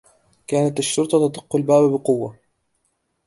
كانت الشّرطة تدقّ الباب بقوّة.